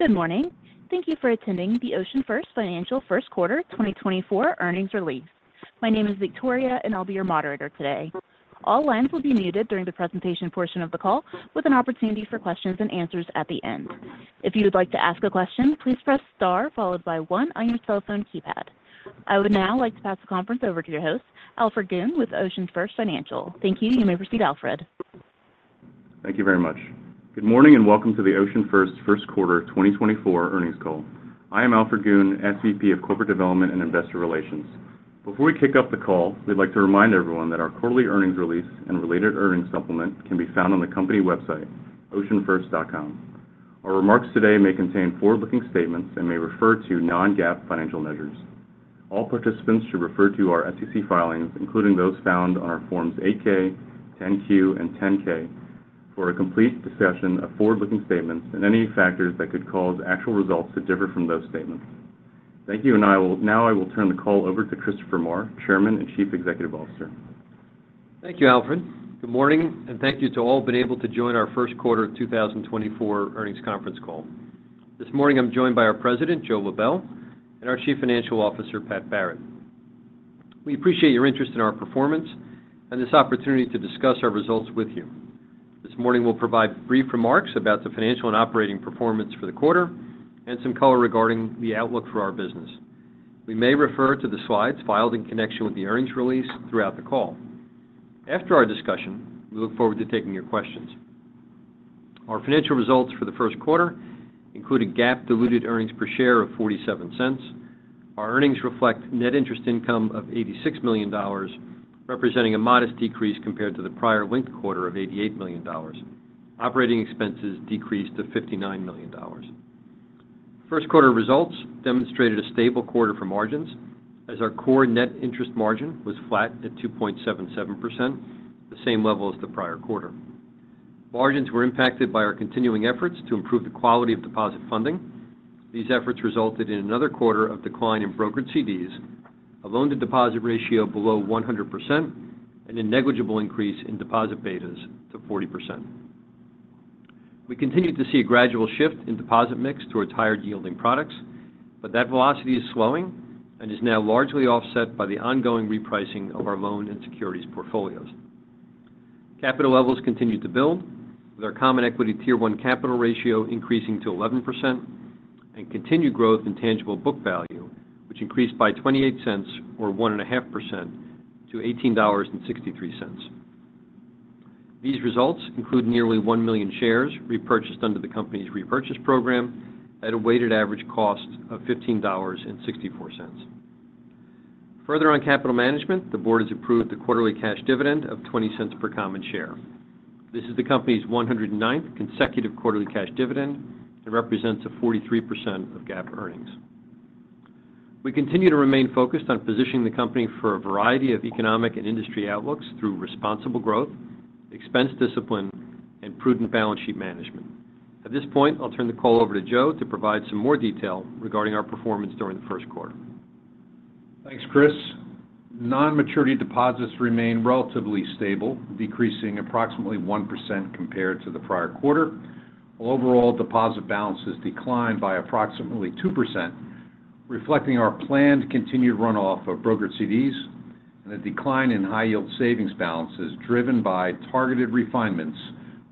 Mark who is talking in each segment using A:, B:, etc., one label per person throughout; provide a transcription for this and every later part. A: Good morning. Thank you for attending the OceanFirst Financial First Quarter 2024 Earnings Release. My name is Victoria, and I'll be your moderator today. All lines will be muted during the presentation portion of the call, with an opportunity for questions and answers at the end. If you would like to ask a question, please press star followed by 1 on your cell phone keypad. I would now like to pass the conference over to your host, Alfred Goon, with OceanFirst Financial. Thank you. You may proceed, Alfred.
B: Thank you very much. Good morning and welcome to the OceanFirst first quarter 2024 earnings call. I am Alfred Goon, SVP of Corporate Development and Investor Relations. Before we kick off the call, we'd like to remind everyone that our quarterly earnings release and related earnings supplement can be found on the company website, oceanfirst.com. Our remarks today may contain forward-looking statements and may refer to non-GAAP financial measures. All participants should refer to our SEC filings, including those found on our Forms 8-K, 10-Q, and 10-K, for a complete discussion of forward-looking statements and any factors that could cause actual results to differ from those statements. Thank you, and now I will turn the call over to Christopher Maher, Chairman and Chief Executive Officer.
C: Thank you, Alfred. Good morning, and thank you to all who have been able to join our First Quarter 2024 Earnings Conference Call. This morning I'm joined by our President, Joe Lebel, and our Chief Financial Officer, Pat Barrett. We appreciate your interest in our performance and this opportunity to discuss our results with you. This morning we'll provide brief remarks about the financial and operating performance for the quarter and some color regarding the outlook for our business. We may refer to the slides filed in connection with the earnings release throughout the call. After our discussion, we look forward to taking your questions. Our financial results for the first quarter include a GAAP-diluted earnings per share of $0.47. Our earnings reflect net interest income of $86 million, representing a modest decrease compared to the prior linked quarter of $88 million. Operating expenses decreased to $59 million. First quarter results demonstrated a stable quarter for margins, as our core net interest margin was flat at 2.77%, the same level as the prior quarter. Margins were impacted by our continuing efforts to improve the quality of deposit funding. These efforts resulted in another quarter of decline in brokered CDs, a loan-to-deposit ratio below 100%, and a negligible increase in deposit betas to 40%. We continued to see a gradual shift in deposit mix towards higher-yielding products, but that velocity is slowing and is now largely offset by the ongoing repricing of our loan and securities portfolios. Capital levels continued to build, with our Common Equity Tier 1 capital ratio increasing to 11% and continued growth in tangible book value, which increased by 0.28 or 1.5% to $18.63. These results include nearly 1 million shares repurchased under the company's repurchase program at a weighted average cost of $15.64. Further on capital management, the board has approved the quarterly cash dividend of $0.20 per common share. This is the company's 109th Consecutive Quarterly Cash Dividend and represents 43% of GAAP earnings. We continue to remain focused on positioning the company for a variety of economic and industry outlooks through responsible growth, expense discipline, and prudent balance sheet management. At this point, I'll turn the call over to Joe to provide some more detail regarding our performance during the first quarter.
D: Thanks, Chris. Non-maturity deposits remain relatively stable, decreasing approximately 1% compared to the prior quarter. Overall, deposit balances declined by approximately 2%, reflecting our planned continued runoff of brokered CDs and a decline in high-yield savings balances driven by targeted refinements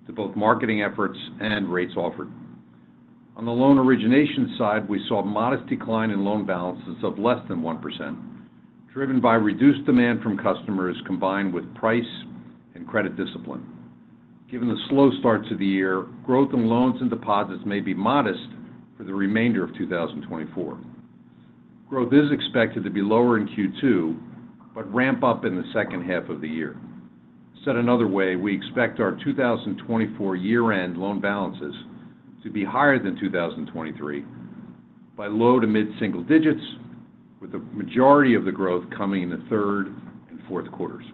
D: to both marketing efforts and rates offered. On the loan origination side, we saw a modest decline in loan balances of less than 1%, driven by reduced demand from customers combined with price and credit discipline. Given the slow start to the year, growth in loans and deposits may be modest for the remainder of 2024. Growth is expected to be lower in Q2 but ramp up in the second half of the year. Said another way, we expect our 2024 year-end loan balances to be higher than 2023 by low- to mid-single digits, with the majority of the growth coming in the third and fourth quarters.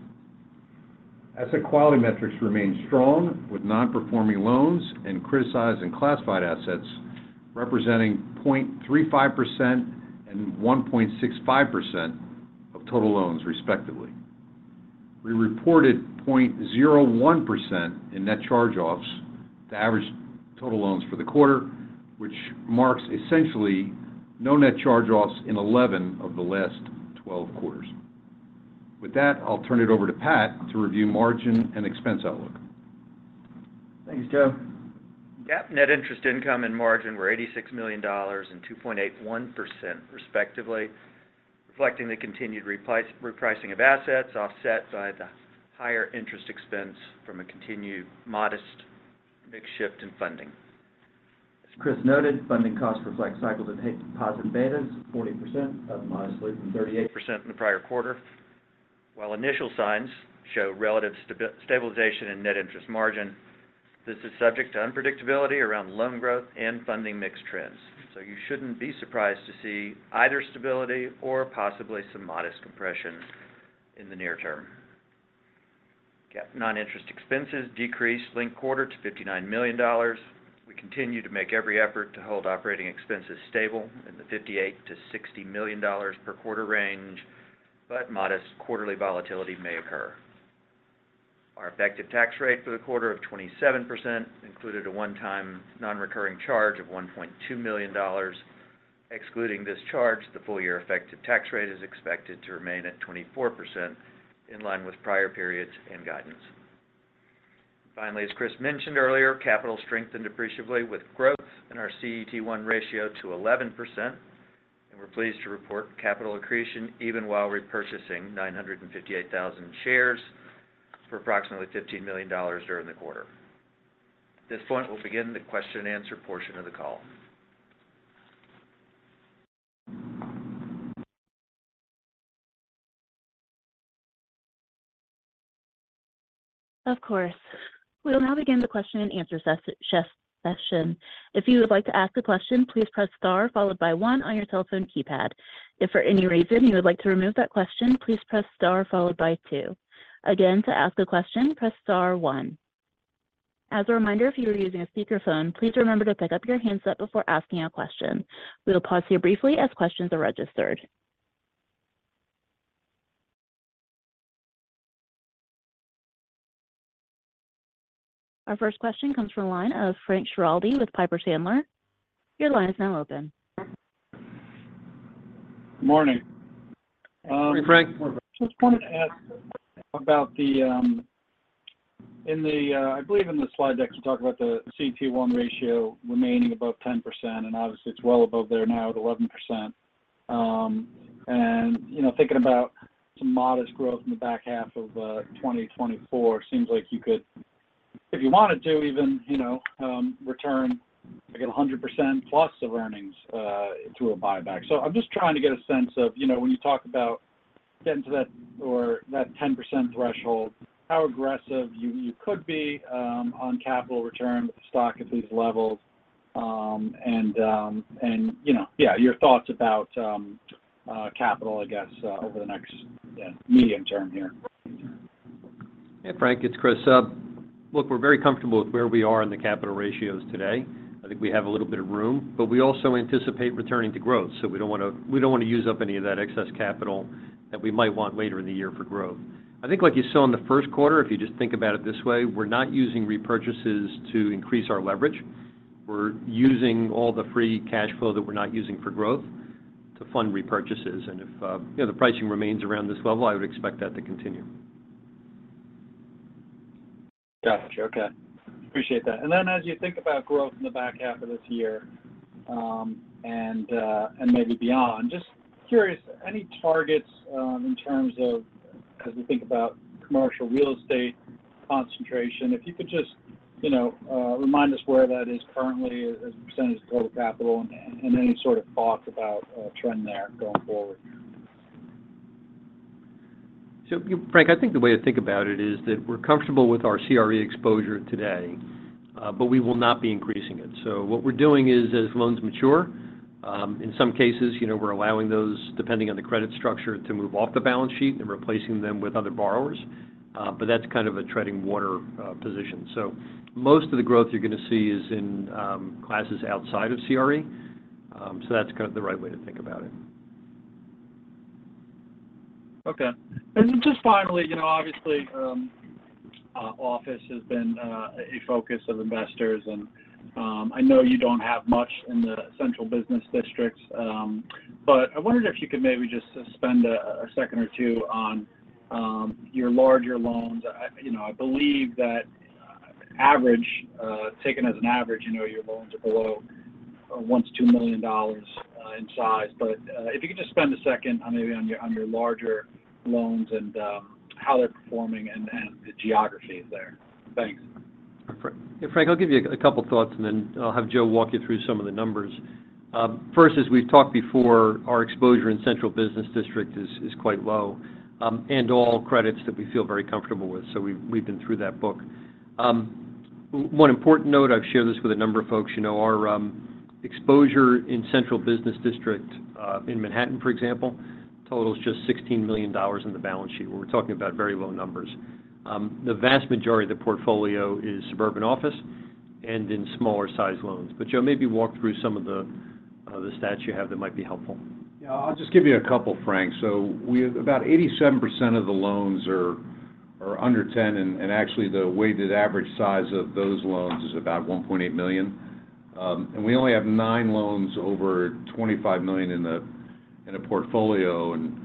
D: Asset quality metrics remain strong, with non-performing loans and criticized and classified assets representing 0.35% and 1.65% of total loans, respectively. We reported 0.01% in net charge-offs to average total loans for the quarter, which marks essentially no net charge-offs in 11 of the last 12 quarters. With that, I'll turn it over to Pat to review margin and expense outlook.
E: Thanks, Joe. GAAP net interest income and margin were $86 million and 2.81%, respectively, reflecting the continued repricing of assets offset by the higher interest expense from a continued modest mix shift in funding. As Chris noted, funding costs reflect cycled and paid deposit betas, 40%, modestly from 38% in the prior quarter. While initial signs show relative stabilization in net interest margin, this is subject to unpredictability around loan growth and funding mix trends, so you shouldn't be surprised to see either stability or possibly some modest compression in the near term. GAAP non-interest expenses decreased, linked quarter, to $59 million. We continue to make every effort to hold operating expenses stable in the $58-$60 million per quarter range, but modest quarterly volatility may occur. Our effective tax rate for the quarter of 27% included a one-time non-recurring charge of $1.2 million. Excluding this charge, the full-year effective tax rate is expected to remain at 24%, in line with prior periods and guidance. Finally, as Chris mentioned earlier, capital strengthened appreciably with growth in our CET1 ratio to 11%, and we're pleased to report capital accretion even while repurchasing 958,000 shares for approximately $15 million during the quarter. At this point, we'll begin the question-and-answer portion of the call.
A: Of course. We will now begin the question-and-answer session. If you would like to ask a question, please press star followed by 1 on your cell phone keypad. If for any reason you would like to remove that question, please press star followed by 2. Again, to ask a question, press star 1. As a reminder, if you are using a speakerphone, please remember to pick up your handset before asking a question. We will pause here briefly as questions are registered. Our first question comes from a line of Frank Schiraldi with Piper Sandler. Your line is now open.
F: Good morning.
G: Hey, Frank.
F: I just wanted to ask about the, I believe in the slide deck you talked about the CET1 ratio remaining above 10%, and obviously it's well above there now at 11%. And thinking about some modest growth in the back half of 2024, it seems like you could, if you wanted to even, return, again, 100% plus of earnings through a buyback. So I'm just trying to get a sense of, when you talk about getting to that 10% threshold, how aggressive you could be on capital return with the stock at these levels, and yeah, your thoughts about capital, I guess, over the next medium term here.
C: Hey, Frank. It's Chris. Look, we're very comfortable with where we are in the capital ratios today. I think we have a little bit of room, but we also anticipate returning to growth, so we don't want to use up any of that excess capital that we might want later in the year for growth. I think, like you saw in the first quarter, if you just think about it this way, we're not using repurchases to increase our leverage. We're using all the free cash flow that we're not using for growth to fund repurchases. And if the pricing remains around this level, I would expect that to continue.
F: Gotcha. Okay. Appreciate that. And then as you think about growth in the back half of this year and maybe beyond, just curious, any targets in terms of as we think about commercial real estate concentration, if you could just remind us where that is currently as a percentage of total capital and any sort of thoughts about a trend there going forward.
C: So, Frank, I think the way to think about it is that we're comfortable with our CRE exposure today, but we will not be increasing it. So what we're doing is, as loans mature, in some cases, we're allowing those, depending on the credit structure, to move off the balance sheet and replacing them with other borrowers. But that's kind of a treading water position. So most of the growth you're going to see is in classes outside of CRE. So that's kind of the right way to think about it.
F: Okay. And just finally, obviously, office has been a focus of investors, and I know you don't have much in the central business districts, but I wondered if you could maybe just spend a second or two on your larger loans. I believe that, taken as an average, your loans are below $2 million in size. But if you could just spend a second maybe on your larger loans and how they're performing and the geographies there. Thanks.
C: Hey, Frank, I'll give you a couple of thoughts, and then I'll have Joe walk you through some of the numbers. First, as we've talked before, our exposure in central business district is quite low and all credits that we feel very comfortable with, so we've been through that book. One important note - I've shared this with a number of folks - our exposure in central business district in Manhattan, for example, totals just $16 million in the balance sheet. We're talking about very low numbers. The vast majority of the portfolio is suburban office and in smaller-sized loans. But Joe, maybe walk through some of the stats you have that might be helpful.
D: Yeah. I'll just give you a couple, Frank. So about 87% of the loans are under $10 million, and actually, the weighted average size of those loans is about $1.8 million. And we only have 9 loans over $25 million in a portfolio, and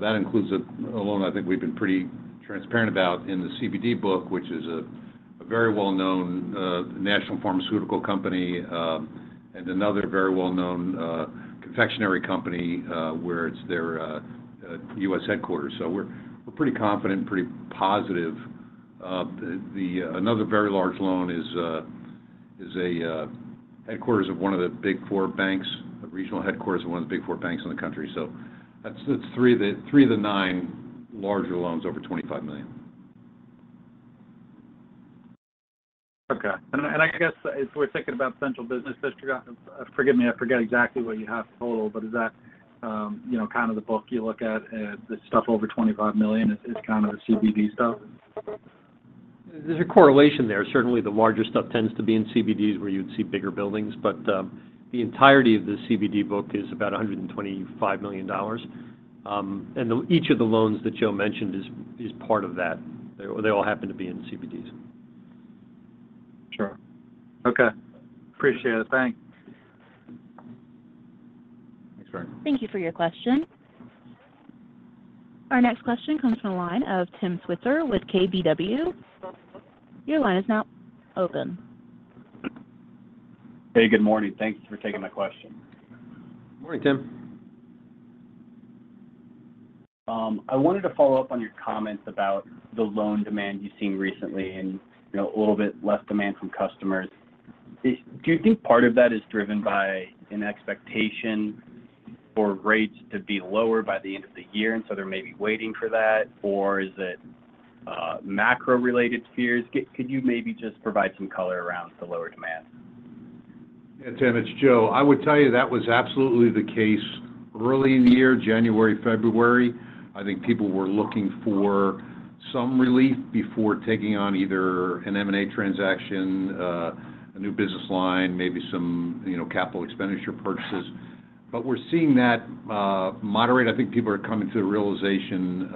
D: that includes a loan I think we've been pretty transparent about in the CBD book, which is a very well-known national pharmaceutical company and another very well-known confectionery company where it's their U.S. headquarters. So we're pretty confident, pretty positive. Another very large loan is headquarters of one of the Big Four banks, regional headquarters of one of the Big Four banks in the country. So that's 3 of the 9 larger loans over $25 million.
F: Okay. And I guess, as we're thinking about central business district forgive me, I forget exactly what you have total, but is that kind of the book you look at? The stuff over $25 million is kind of the CBD stuff?
C: There's a correlation there. Certainly, the larger stuff tends to be in CBDs where you would see bigger buildings, but the entirety of the CBD book is about $125 million. And each of the loans that Joe mentioned is part of that. They all happen to be in CBDs.
F: Sure. Okay. Appreciate it. Thanks.
C: Thanks, Frank.
A: Thank you for your question. Our next question comes from a line of Tim Switzer with KBW. Your line is now open.
H: Hey, good morning. Thanks for taking my question.
G: Morning, Tim.
H: I wanted to follow up on your comments about the loan demand you've seen recently and a little bit less demand from customers. Do you think part of that is driven by an expectation for rates to be lower by the end of the year, and so they're maybe waiting for that, or is it macro-related fears? Could you maybe just provide some color around the lower demand?
D: Yeah, Tim. It's Joe. I would tell you that was absolutely the case early in the year, January, February. I think people were looking for some relief before taking on either an M&A transaction, a new business line, maybe some capital expenditure purchases. But we're seeing that moderate. I think people are coming to the realization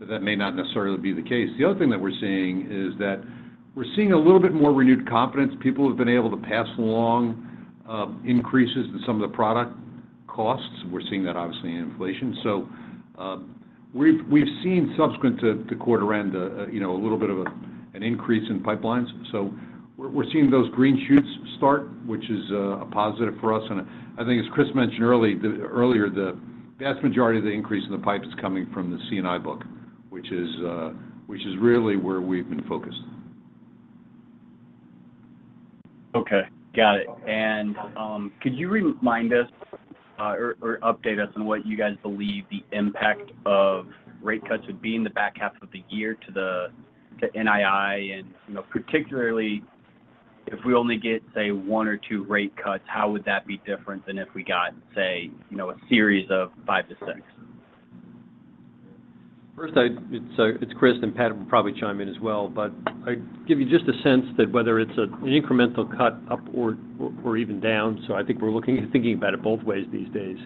D: that that may not necessarily be the case. The other thing that we're seeing is that we're seeing a little bit more renewed confidence. People have been able to pass along increases in some of the product costs. We're seeing that, obviously, in inflation. So we've seen, subsequent to quarter end, a little bit of an increase in pipelines. So we're seeing those green shoots start, which is a positive for us. And I think, as Chris mentioned earlier, the vast majority of the increase in the pipe is coming from the C&I book, which is really where we've been focused.
H: Okay. Got it. Could you remind us or update us on what you guys believe the impact of rate cuts would be in the back half of the year to NII, and particularly if we only get, say, 1 or 2 rate cuts, how would that be different than if we got, say, a series of 5-6?
C: First, it's Chris, and Pat will probably chime in as well, but I'd give you just a sense that whether it's an incremental cut up or even down, so I think we're thinking about it both ways these days,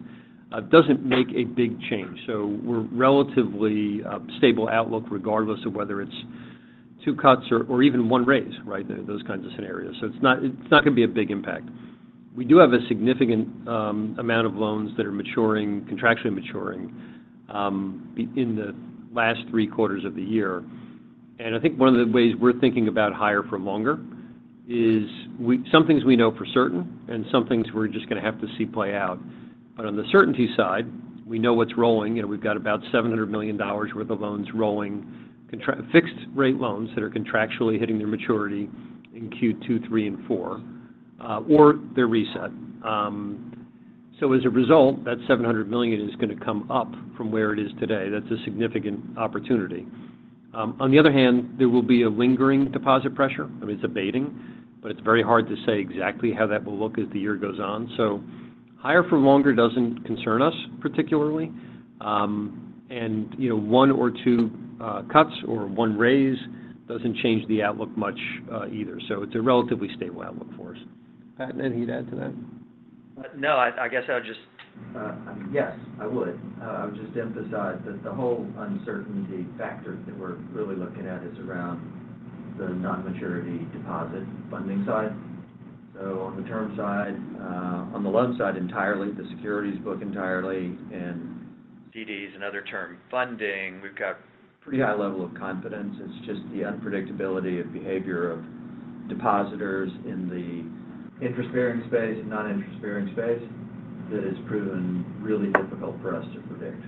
C: doesn't make a big change. So we're relatively stable outlook regardless of whether it's two cuts or even one raise, right, those kinds of scenarios. So it's not going to be a big impact. We do have a significant amount of loans that are contractually maturing in the last three quarters of the year. And I think one of the ways we're thinking about higher for longer is some things we know for certain and some things we're just going to have to see play out. But on the certainty side, we know what's rolling. We've got about $700 million worth of loans rolling, fixed-rate loans that are contractually hitting their maturity in Q2, Q3, and Q4, or their reset. So as a result, that $700 million is going to come up from where it is today. That's a significant opportunity. On the other hand, there will be a lingering deposit pressure. I mean, it's abating, but it's very hard to say exactly how that will look as the year goes on. So higher for longer doesn't concern us particularly. And one or two cuts or one raise doesn't change the outlook much either. So it's a relatively stable outlook for us. Pat, anything to add to that?
E: No. I guess I would just emphasize that the whole uncertainty factor that we're really looking at is around the non-maturity deposit funding side. So on the term side, on the loan side entirely, the securities book entirely, and CDs and other term funding, we've got pretty high level of confidence. It's just the unpredictability of behavior of depositors in the interest-bearing space and non-interest-bearing space that has proven really difficult for us to predict.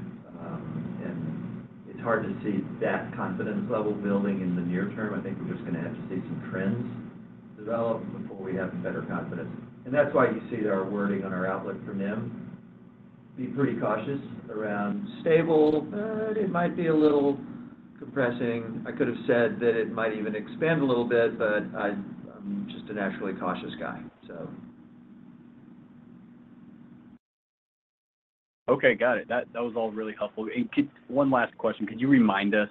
E: And it's hard to see that confidence level building in the near term. I think we're just going to have to see some trends develop before we have better confidence. And that's why you see our wording on our outlook from NIM: be pretty cautious around. Stable, but it might be a little compressing. I could have said that it might even expand a little bit, but I'm just a naturally cautious guy, so.
H: Okay. Got it. That was all really helpful. One last question. Could you remind us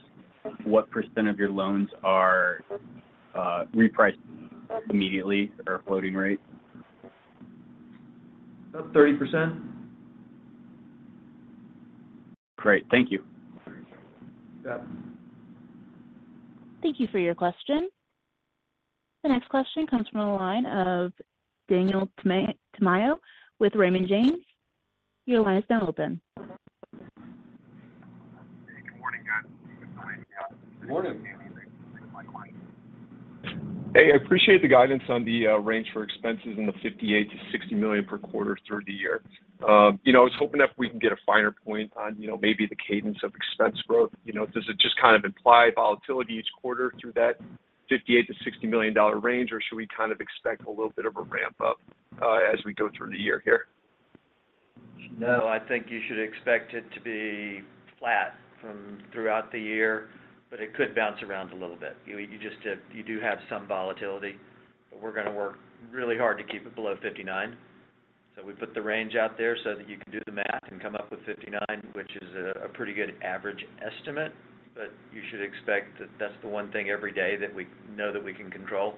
H: what % of your loans are repriced immediately or a floating rate?
E: About 30%.
H: Great. Thank you.
A: Thank you for your question. The next question comes from a line of Daniel Tamayo with Raymond James. Your line is now open.
I: Hey. Good morning, guys. It's Dwayne from Yahoo Finance.
G: Good morning.
I: How can I help you with anything on my client?
J: Hey. I appreciate the guidance on the range for expenses in the $58 million-$60 million per quarter through the year. I was hoping that we can get a finer point on maybe the cadence of expense growth. Does it just kind of imply volatility each quarter through that $58 million-$60 million range, or should we kind of expect a little bit of a ramp-up as we go through the year here?
E: No. I think you should expect it to be flat throughout the year, but it could bounce around a little bit. You do have some volatility, but we're going to work really hard to keep it below 59. So we put the range out there so that you can do the math and come up with 59, which is a pretty good average estimate, but you should expect that that's the one thing every day that we know that we can control,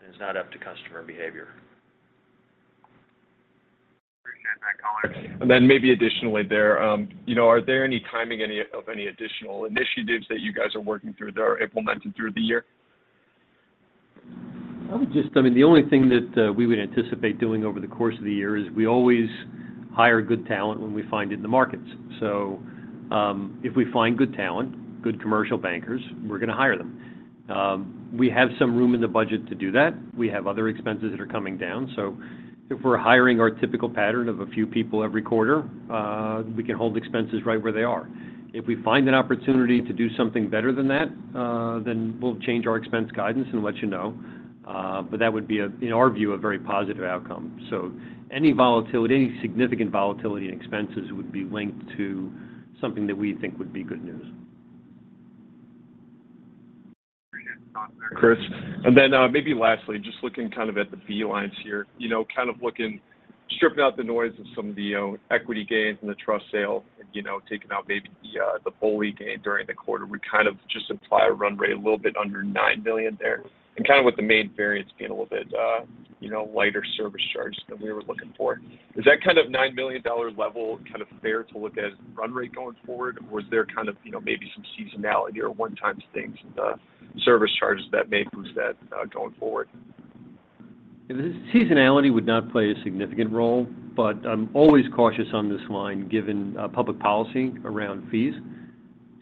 E: and it's not up to customer behavior.
J: Appreciate that, callers. And then maybe additionally there, are there any timing of any additional initiatives that you guys are working through that are implemented through the year?
C: I mean, the only thing that we would anticipate doing over the course of the year is we always hire good talent when we find it in the markets. So if we find good talent, good commercial bankers, we're going to hire them. We have some room in the budget to do that. We have other expenses that are coming down. So if we're hiring our typical pattern of a few people every quarter, we can hold expenses right where they are. If we find an opportunity to do something better than that, then we'll change our expense guidance and let you know. But that would be, in our view, a very positive outcome. So any significant volatility in expenses would be linked to something that we think would be good news.
J: Chris, and then maybe lastly, just looking kind of at the fee lines here, kind of stripping out the noise of some of the equity gains and the trust sale, taking out maybe the BOLI gain during the quarter, we kind of just imply a run rate a little bit under $9 million there, and kind of with the main variance being a little bit lighter service charges than we were looking for. Is that kind of $9 million level kind of fair to look at as run rate going forward, or is there kind of maybe some seasonality or one-time things in the service charges that may boost that going forward?
C: Seasonality would not play a significant role, but I'm always cautious on this line given public policy around fees.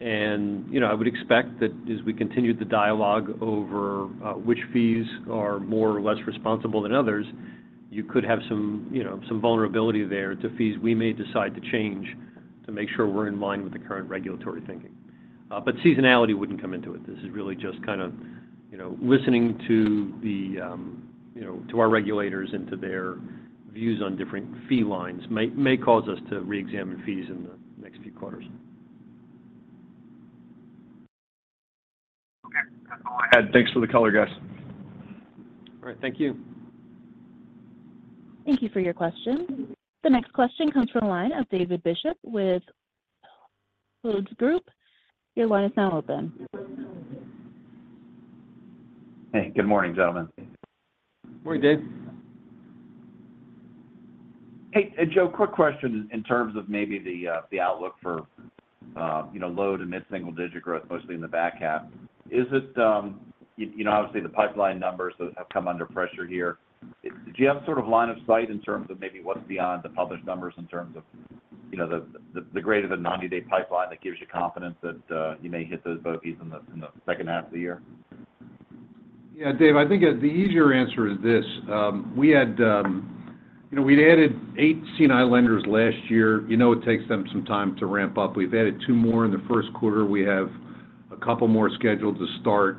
C: I would expect that as we continue the dialogue over which fees are more or less responsible than others, you could have some vulnerability there to fees we may decide to change to make sure we're in line with the current regulatory thinking. Seasonality wouldn't come into it. This is really just kind of listening to our regulators and to their views on different fee lines may cause us to reexamine fees in the next few quarters.
E: Okay. That's all I had.
J: Thanks for the color, guys.
C: All right. Thank you.
A: Thank you for your question. The next question comes from a line of David Bishop with Hovde Group. Your line is now open.
K: Hey. Good morning, gentlemen.
D: Morning, Dave.
K: Hey, Joe, quick question in terms of maybe the outlook for low- to mid-single-digit growth, mostly in the back half. Obviously, the pipeline numbers have come under pressure here. Do you have sort of line of sight in terms of maybe what's beyond the published numbers in terms of the greater-than-90-day pipeline that gives you confidence that you may hit those bogeys in the second half of the year?
D: Yeah, Dave. I think the easier answer is this. We'd added eight C&I lenders last year. It takes them some time to ramp up. We've added two more in the first quarter. We have a couple more scheduled to start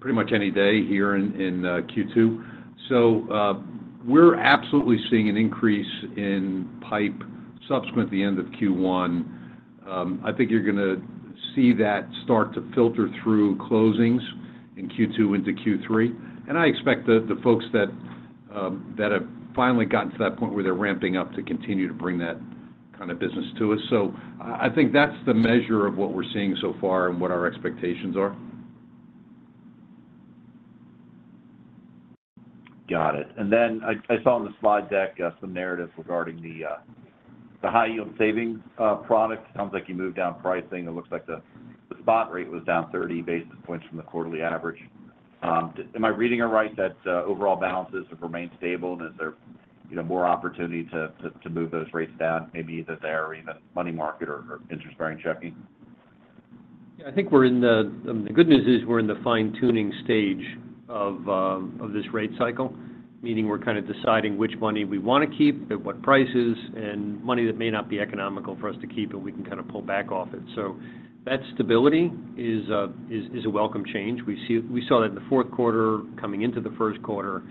D: pretty much any day here in Q2. So we're absolutely seeing an increase in pipe subsequent to the end of Q1. I think you're going to see that start to filter through closings in Q2 into Q3. And I expect the folks that have finally gotten to that point where they're ramping up to continue to bring that kind of business to us. So I think that's the measure of what we're seeing so far and what our expectations are.
K: Got it. Then I saw on the slide deck some narrative regarding the high-yield savings product. It sounds like you moved down pricing. It looks like the spot rate was down 30 basis points from the quarterly average. Am I reading it right that overall balances have remained stable, and is there more opportunity to move those rates down, maybe either there or even money market or interest-bearing checking?
C: Yeah. I think the good news is we're in the fine-tuning stage of this rate cycle, meaning we're kind of deciding which money we want to keep at what prices and money that may not be economical for us to keep, and we can kind of pull back off it. So that stability is a welcome change. We saw that in the fourth quarter coming into the first quarter.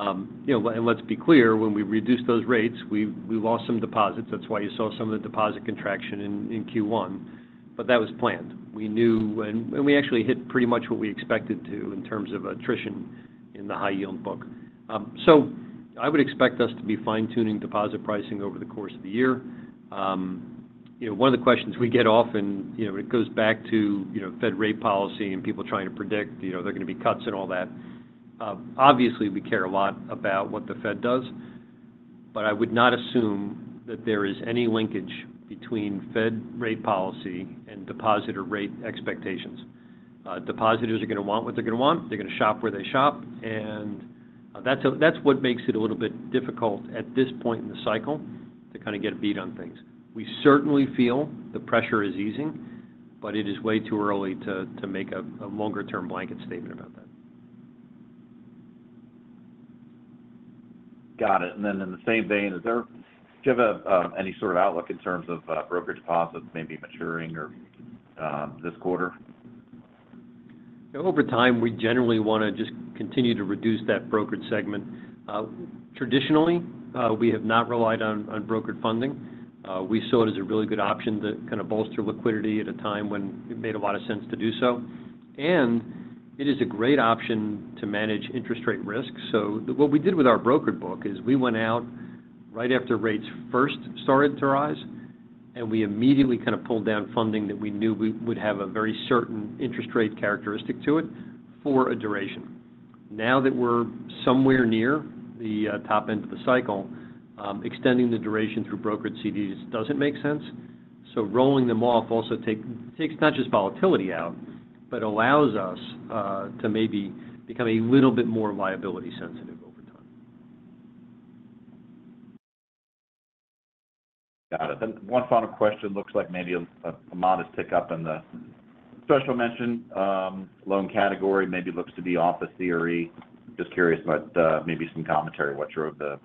C: And let's be clear, when we reduced those rates, we lost some deposits. That's why you saw some of the deposit contraction in Q1, but that was planned. And we actually hit pretty much what we expected to in terms of attrition in the high-yield book. So I would expect us to be fine-tuning deposit pricing over the course of the year. One of the questions we get often, it goes back to Fed rate policy and people trying to predict there are going to be cuts and all that. Obviously, we care a lot about what the Fed does, but I would not assume that there is any linkage between Fed rate policy and depositor rate expectations. Depositors are going to want what they're going to want. They're going to shop where they shop. And that's what makes it a little bit difficult at this point in the cycle to kind of get a beat on things. We certainly feel the pressure is easing, but it is way too early to make a longer-term blanket statement about that.
K: Got it. And then in the same vein, do you have any sort of outlook in terms of brokered deposits maybe maturing this quarter?
C: Over time, we generally want to just continue to reduce that brokered segment. Traditionally, we have not relied on brokered funding. We saw it as a really good option to kind of bolster liquidity at a time when it made a lot of sense to do so. And it is a great option to manage interest-rate risks. So what we did with our brokered book is we went out right after rates first started to rise, and we immediately kind of pulled down funding that we knew would have a very certain interest-rate characteristic to it for a duration. Now that we're somewhere near the top end of the cycle, extending the duration through brokered CDs doesn't make sense. So rolling them off also takes not just volatility out, but allows us to maybe become a little bit more liability-sensitive over time.
K: Got it. Then one final question. Looks like maybe a modest tick-up in the special mention loan category maybe looks to be off the CRE. Just curious about maybe some commentary, what your hope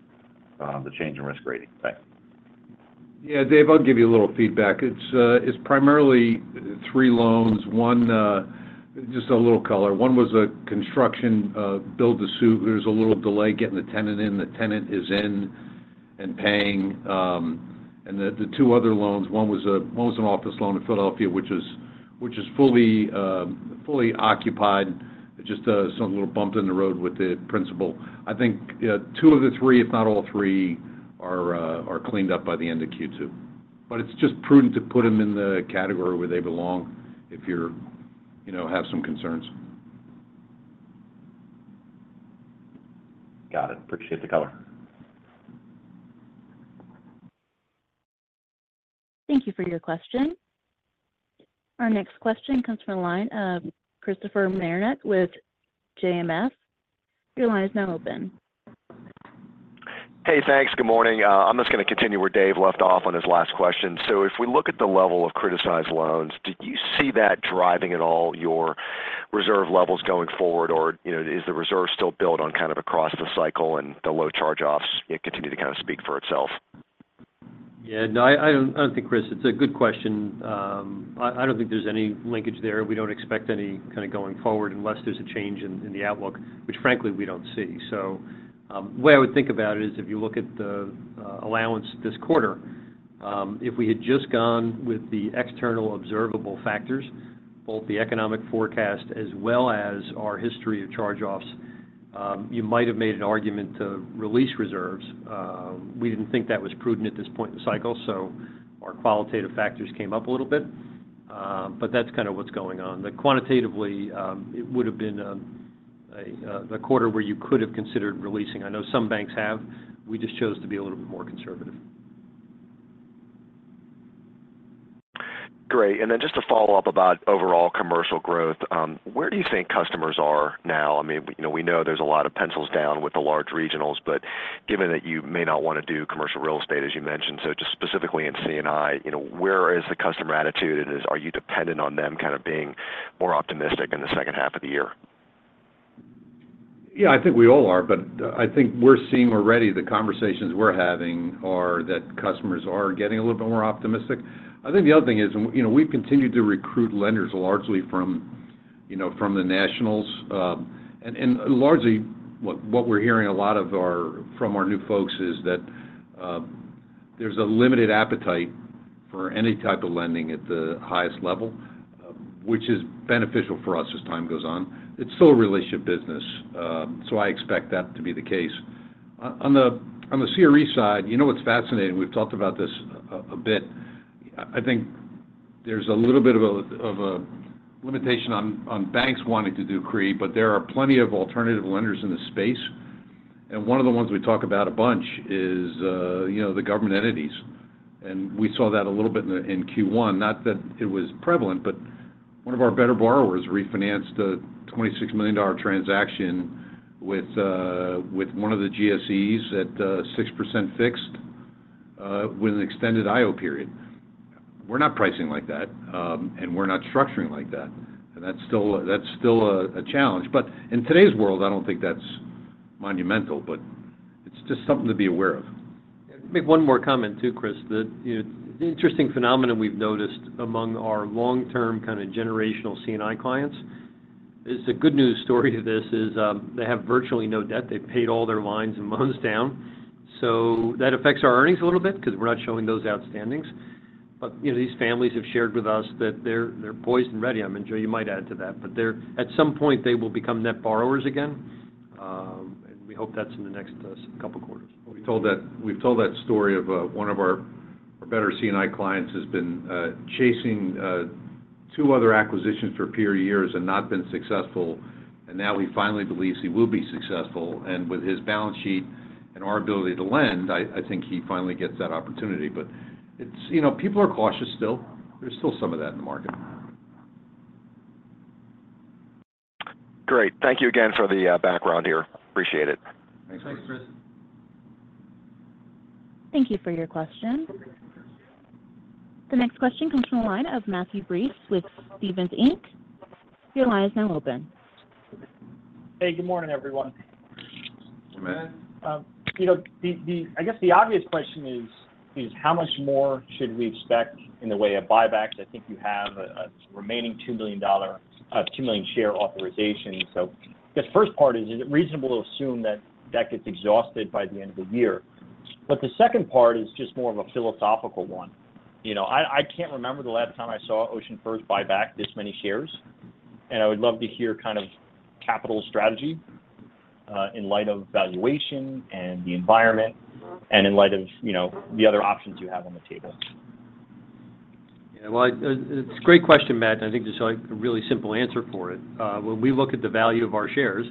K: of the change in risk rating. Thanks.
D: Yeah, Dave. I'll give you a little feedback. It's primarily three loans. Just a little color. One was a construction build-to-suit. There was a little delay getting the tenant in. The tenant is in and paying. And the two other loans, one was an office loan in Philadelphia, which is fully occupied. It's just some little bump in the road with the principal. I think two of the three, if not all three, are cleaned up by the end of Q2. But it's just prudent to put them in the category where they belong if you have some concerns.
K: Got it. Appreciate the color.
A: Thank you for your question. Our next question comes from a line of Christopher Marinac with JMS. Your line is now open.
L: Hey. Thanks. Good morning. I'm just going to continue where Dave left off on his last question. So if we look at the level of criticized loans, do you see that driving at all your reserve levels going forward, or is the reserve still built on kind of across the cycle and the low charge-offs continue to kind of speak for itself?
C: Yeah. No, I don't think, Chris. It's a good question. I don't think there's any linkage there. We don't expect any kind of going forward unless there's a change in the outlook, which, frankly, we don't see. So the way I would think about it is if you look at the allowance this quarter, if we had just gone with the external observable factors, both the economic forecast as well as our history of charge-offs, you might have made an argument to release reserves. We didn't think that was prudent at this point in the cycle, so our qualitative factors came up a little bit. But that's kind of what's going on. Quantitatively, it would have been a quarter where you could have considered releasing. I know some banks have. We just chose to be a little bit more conservative.
L: Great. And then just to follow up about overall commercial growth, where do you think customers are now? I mean, we know there's a lot of pencils down with the large regionals, but given that you may not want to do commercial real estate, as you mentioned, so just specifically in C&I, where is the customer attitude? And are you dependent on them kind of being more optimistic in the second half of the year?
C: Yeah. I think we all are, but I think we're seeing already the conversations we're having are that customers are getting a little bit more optimistic. I think the other thing is we've continued to recruit lenders largely from the nationals. Largely, what we're hearing a lot from our new folks is that there's a limited appetite for any type of lending at the highest level, which is beneficial for us as time goes on. It's still a relationship business, so I expect that to be the case. On the CRE side, what's fascinating - we've talked about this a bit - I think there's a little bit of a limitation on banks wanting to do CRE, but there are plenty of alternative lenders in the space. One of the ones we talk about a bunch is the government entities. We saw that a little bit in Q1. Not that it was prevalent, but one of our better borrowers refinanced a $26 million transaction with one of the GSEs at 6% fixed with an extended IO period. We're not pricing like that, and we're not structuring like that. That's still a challenge. But in today's world, I don't think that's monumental, but it's just something to be aware of. Maybe one more comment too, Chris. The interesting phenomenon we've noticed among our long-term kind of generational C&I clients is the good news story to this is they have virtually no debt. They've paid all their lines and loans down. So that affects our earnings a little bit because we're not showing those outstandings. But these families have shared with us that they're poised and ready. I mean, Joe, you might add to that, but at some point, they will become net borrowers again. We hope that's in the next couple of quarters.
D: We've told that story of one of our better C&I clients has been chasing two other acquisitions for a period of years and not been successful. And now he finally believes he will be successful. And with his balance sheet and our ability to lend, I think he finally gets that opportunity. But people are cautious still. There's still some of that in the market.
L: Great. Thank you again for the background here. Appreciate it.
D: Thanks, Chris.
C: Thanks, Chris.
A: Thank you for your question. The next question comes from a line of Matthew Breese with Stephens Inc. Your line is now open.
M: Hey. Good morning, everyone. I guess the obvious question is how much more should we expect in the way of buybacks? I think you have a remaining $2 million share authorization. So the first part is, is it reasonable to assume that that gets exhausted by the end of the year? But the second part is just more of a philosophical one. I can't remember the last time I saw OceanFirst buy back this many shares. And I would love to hear kind of capital strategy in light of valuation and the environment and in light of the other options you have on the table.
C: Yeah. Well, it's a great question, Matt. And I think there's a really simple answer for it. When we look at the value of our shares,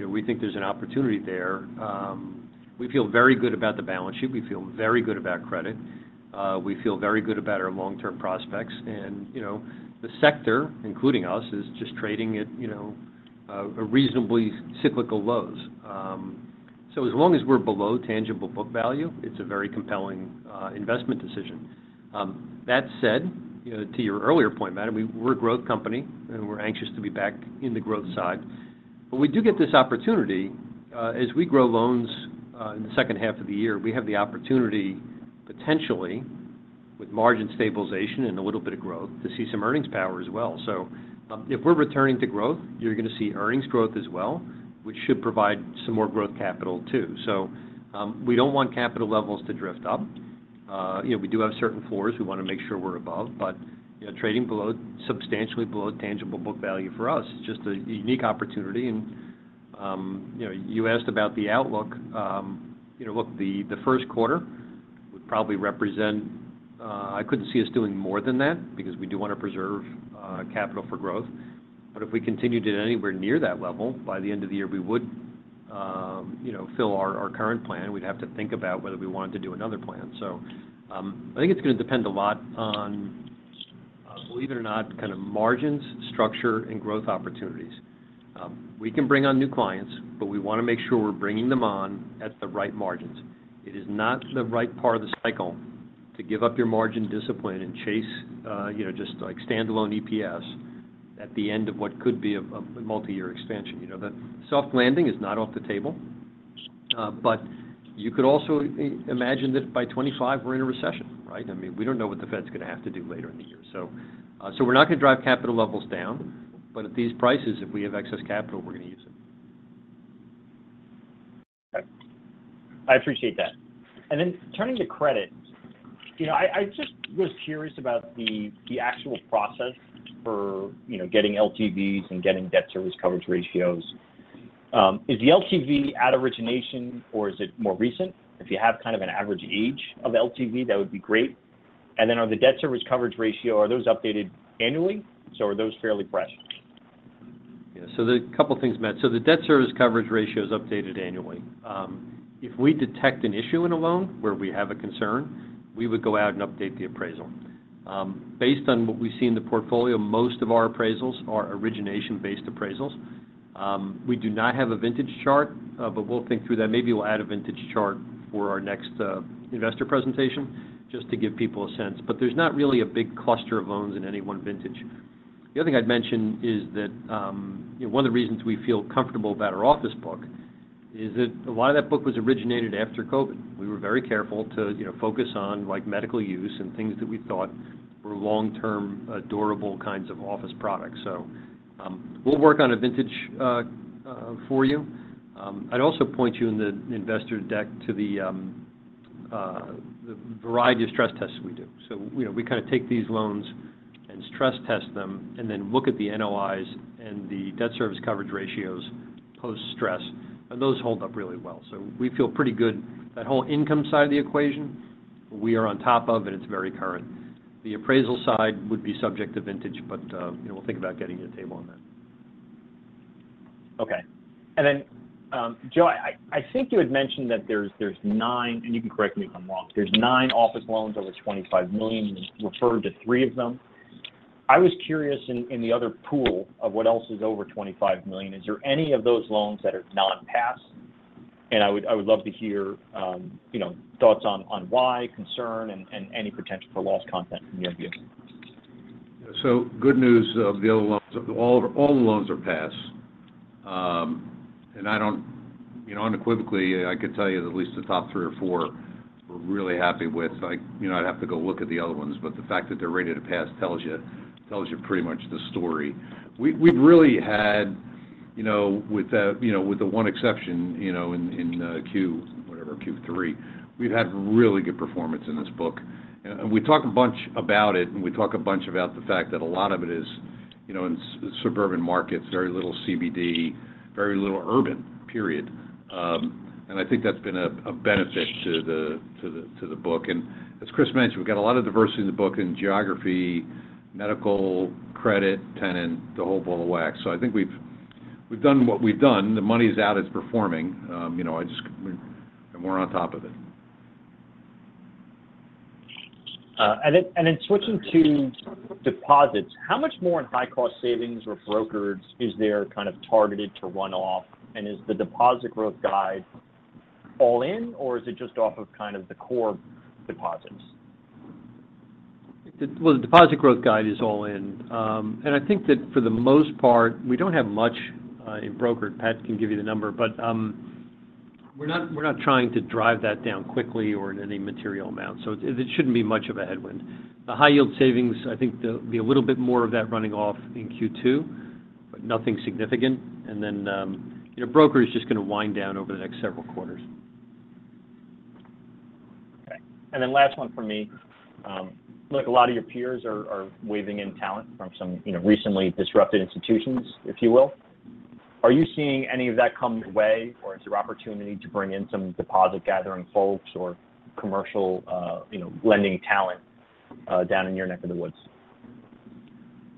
C: we think there's an opportunity there. We feel very good about the balance sheet. We feel very good about credit. We feel very good about our long-term prospects. And the sector, including us, is just trading at reasonably cyclical lows. So as long as we're below tangible book value, it's a very compelling investment decision. That said, to your earlier point, Matt, we're a growth company, and we're anxious to be back in the growth side. But we do get this opportunity as we grow loans in the second half of the year. We have the opportunity, potentially, with margin stabilization and a little bit of growth, to see some earnings power as well. So if we're returning to growth, you're going to see earnings growth as well, which should provide some more growth capital too. So we don't want capital levels to drift up. We do have certain floors. We want to make sure we're above. But trading substantially below tangible book value for us is just a unique opportunity. And you asked about the outlook. Look, the first quarter would probably represent. I couldn't see us doing more than that because we do want to preserve capital for growth. But if we continued it anywhere near that level, by the end of the year, we would fill our current plan. We'd have to think about whether we wanted to do another plan. So I think it's going to depend a lot on, believe it or not, kind of margins, structure, and growth opportunities. We can bring on new clients, but we want to make sure we're bringing them on at the right margins. It is not the right part of the cycle to give up your margin discipline and chase just standalone EPS at the end of what could be a multiyear expansion. The soft landing is not off the table. But you could also imagine that by 2025, we're in a recession, right? I mean, we don't know what the Fed's going to have to do later in the year. So we're not going to drive capital levels down. But at these prices, if we have excess capital, we're going to use it.
M: Okay. I appreciate that. And then turning to credit, I just was curious about the actual process for getting LTVs and getting debt service coverage ratios. Is the LTV at origination, or is it more recent? If you have kind of an average age of LTV, that would be great. And then are the debt service coverage ratio are those updated annually? So are those fairly fresh?
C: Yeah. So there are a couple of things, Matt. So the debt service coverage ratio is updated annually. If we detect an issue in a loan where we have a concern, we would go out and update the appraisal. Based on what we see in the portfolio, most of our appraisals are origination-based appraisals. We do not have a vintage chart, but we'll think through that. Maybe we'll add a vintage chart for our next investor presentation just to give people a sense. But there's not really a big cluster of loans in any one vintage. The other thing I'd mention is that one of the reasons we feel comfortable about our office book is that a lot of that book was originated after COVID. We were very careful to focus on medical use and things that we thought were long-term, durable kinds of office products. So we'll work on a vintage for you. I'd also point you in the investor deck to the variety of stress tests we do. So we kind of take these loans and stress test them and then look at the NOIs and the debt service coverage ratios post-stress. And those hold up really well. So we feel pretty good. That whole income side of the equation, we are on top of, and it's very current. The appraisal side would be subject to vintage, but we'll think about getting you a table on that.
M: Okay. And then, Joe, I think you had mentioned that there's 9 and you can correct me if I'm wrong. There's 9 office loans over $25 million. You referred to three of them. I was curious in the other pool of what else is over $25 million, is there any of those loans that are non-pass? And I would love to hear thoughts on why, concern, and any potential for lost content from your view.
D: Yeah. So good news. The other loans, all the loans are pass. And unequivocally, I could tell you at least the top three or four we're really happy with. I'd have to go look at the other ones, but the fact that they're rated a pass tells you pretty much the story. We've really had, with the one exception in Q3, we've had really good performance in this book. And we talk a bunch about it, and we talk a bunch about the fact that a lot of it is in suburban markets, very little CBD, very little urban, period. And as Chris mentioned, we've got a lot of diversity in the book in geography, medical, credit, tenant, the whole ball of wax. So I think we've done what we've done. The money is out. It's performing. We're on top of it.
M: Then switching to deposits, how much more in high-cost savings or brokerage is there kind of targeted to run off? Is the deposit growth guide all in, or is it just off of kind of the core deposits?
C: Well, the deposit growth guide is all in. I think that for the most part, we don't have much in brokerage. Pat can give you the number, but we're not trying to drive that down quickly or in any material amount. It shouldn't be much of a headwind. The high-yield savings, I think there'll be a little bit more of that running off in Q2, but nothing significant. Then brokerage is just going to wind down over the next several quarters.
M: Okay. And then last one from me. It looks like a lot of your peers are waving in talent from some recently disrupted institutions, if you will. Are you seeing any of that come your way, or is there opportunity to bring in some deposit-gathering folks or commercial lending talent down in your neck of the woods?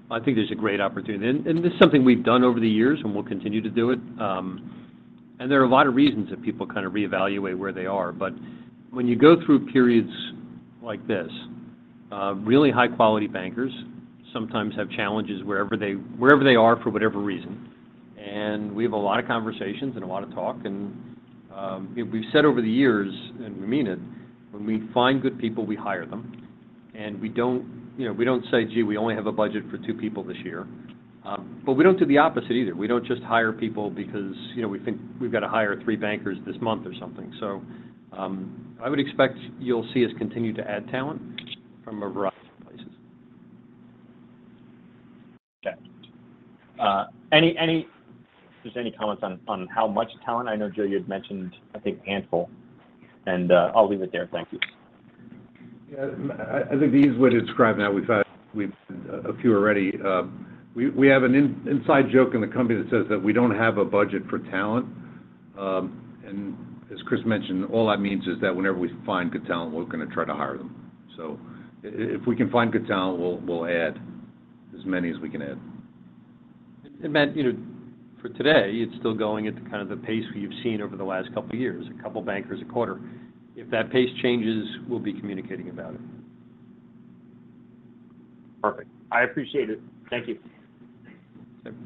C: I think there's a great opportunity. This is something we've done over the years, and we'll continue to do it. There are a lot of reasons that people kind of reevaluate where they are. But when you go through periods like this, really high-quality bankers sometimes have challenges wherever they are for whatever reason. We have a lot of conversations and a lot of talk. We've said over the years, and we mean it, when we find good people, we hire them. We don't say, "Gee, we only have a budget for two people this year." We don't do the opposite either. We don't just hire people because we think we've got to hire three bankers this month or something. I would expect you'll see us continue to add talent from a variety of places.
M: Okay. Is there any comments on how much talent? I know, Joe, you had mentioned, I think, a handful. And I'll leave it there. Thank you.
D: Yeah. I think these would describe now. We've had a few already. We have an inside joke in the company that says that we don't have a budget for talent. And as Chris mentioned, all that means is that whenever we find good talent, we're going to try to hire them. So if we can find good talent, we'll add as many as we can add.
C: Matt, for today, it's still going at the kind of the pace we've seen over the last couple of years, a couple of bankers, a quarter. If that pace changes, we'll be communicating about it.
M: Perfect. I appreciate it. Thank you.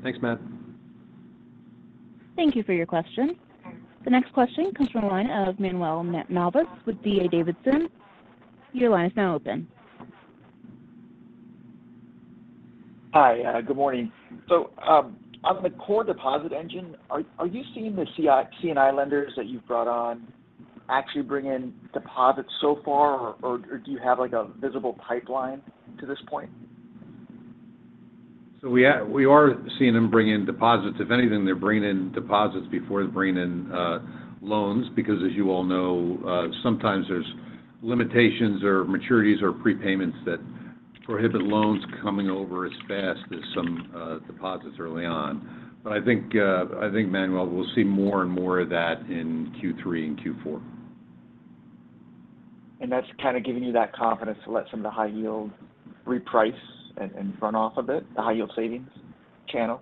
C: Thanks, Matt.
A: Thank you for your question. The next question comes from a line of Manuel Navas with D.A. Davidson. Your line is now open.
N: Hi. Good morning. So on the core deposit engine, are you seeing the C&I lenders that you've brought on actually bring in deposits so far, or do you have a visible pipeline to this point?
D: So we are seeing them bring in deposits. If anything, they're bringing in deposits before they're bringing in loans because, as you all know, sometimes there's limitations or maturities or prepayments that prohibit loans coming over as fast as some deposits early on. But I think, Manuel, we'll see more and more of that in Q3 and Q4.
N: That's kind of giving you that confidence to let some of the high-yield reprice and run off of it, the high-yield savings channel?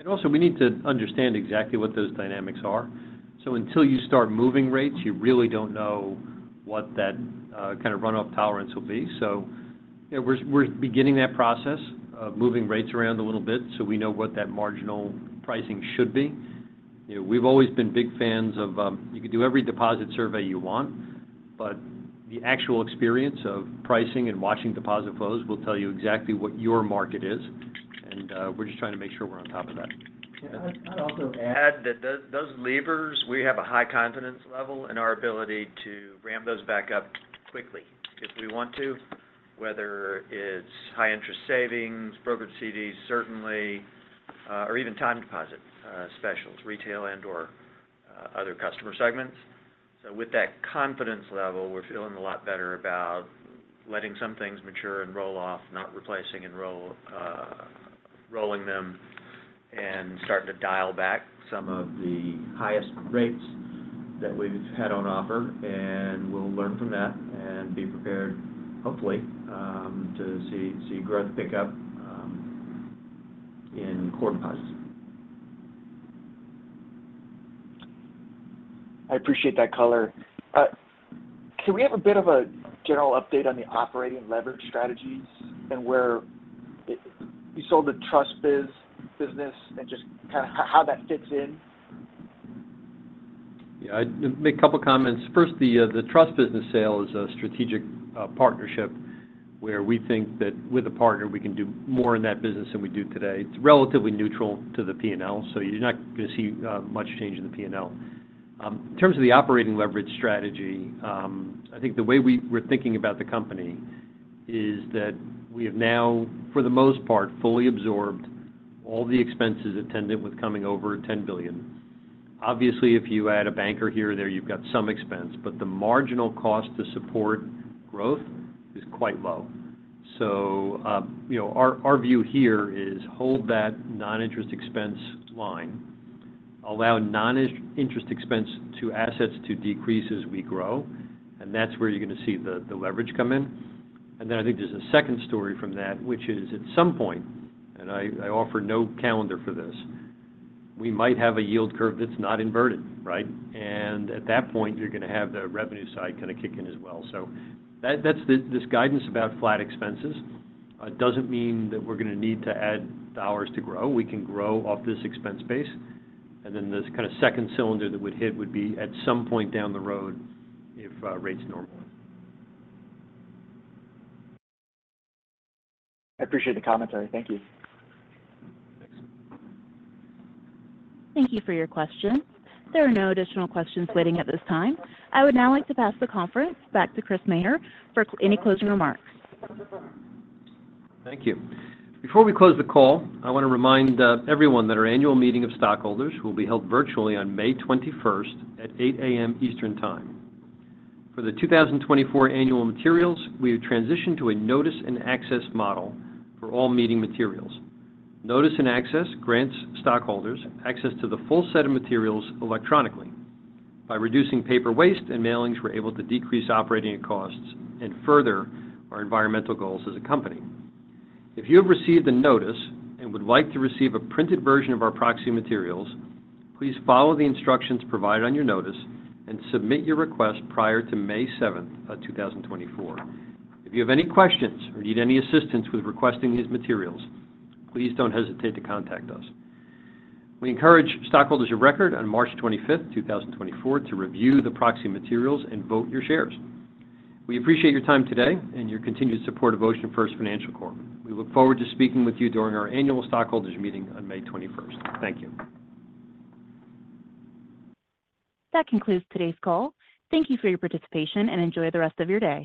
D: Yep.
C: Also, we need to understand exactly what those dynamics are. Until you start moving rates, you really don't know what that kind of runoff tolerance will be. We're beginning that process of moving rates around a little bit so we know what that marginal pricing should be. We've always been big fans of you could do every deposit survey you want, but the actual experience of pricing and watching deposit flows will tell you exactly what your market is. We're just trying to make sure we're on top of that.
N: Yeah. I'd also add that those levers, we have a high confidence level in our ability to ramp those back up quickly if we want to, whether it's high-interest savings, brokerage CDs, certainly, or even time deposit specials, retail and/or other customer segments. So with that confidence level, we're feeling a lot better about letting some things mature and roll off, not replacing and rolling them, and starting to dial back some of the highest rates that we've had on offer. And we'll learn from that and be prepared, hopefully, to see growth pick up in core deposits. I appreciate that color. Can we have a bit of a general update on the operating leverage strategies and where you sold the trust business and just kind of how that fits in?
C: Yeah. I'd make a couple of comments. First, the trust business sale is a strategic partnership where we think that with a partner, we can do more in that business than we do today. It's relatively neutral to the P&L, so you're not going to see much change in the P&L. In terms of the operating leverage strategy, I think the way we're thinking about the company is that we have now, for the most part, fully absorbed all the expenses attendant with coming over $10 billion. Obviously, if you add a banker here or there, you've got some expense, but the marginal cost to support growth is quite low. So our view here is hold that non-interest expense line, allow non-interest expense to assets to decrease as we grow. And that's where you're going to see the leverage come in. And then I think there's a second story from that, which is at some point, and I offer no calendar for this, we might have a yield curve that's not inverted, right? And at that point, you're going to have the revenue side kind of kick in as well. So this guidance about flat expenses doesn't mean that we're going to need to add dollars to grow. We can grow off this expense base. And then this kind of second cylinder that would hit would be at some point down the road if rates normalize.
N: I appreciate the commentary. Thank you.
C: Thanks.
A: Thank you for your question. There are no additional questions waiting at this time. I would now like to pass the conference back to Chris Maher for any closing remarks.
C: Thank you. Before we close the call, I want to remind everyone that our annual meeting of stockholders will be held virtually on May 21st at 8:00 A.M. Eastern Time. For the 2024 annual materials, we have transitioned to a Notice and Access model for all meeting materials. Notice and Access grants stockholders access to the full set of materials electronically. By reducing paper waste and mailings, we're able to decrease operating costs and further our environmental goals as a company. If you have received a notice and would like to receive a printed version of our proxy materials, please follow the instructions provided on your notice and submit your request prior to May 7th, 2024. If you have any questions or need any assistance with requesting these materials, please don't hesitate to contact us. We encourage stockholders of record on March 25th, 2024, to review the proxy materials and vote your shares. We appreciate your time today and your continued support of OceanFirst Financial Corp. We look forward to speaking with you during our annual stockholders meeting on May 21st. Thank you.
A: That concludes today's call. Thank you for your participation, and enjoy the rest of your day.